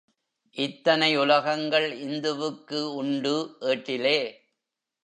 இத்தனை உலகங்கள் இந்துவுக்கு உண்டு ஏட்டிலே.